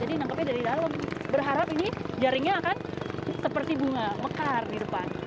jadi menangkapnya dari dalam berharap ini jaringnya akan seperti bunga mekar di depan